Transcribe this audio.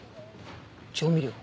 調味料？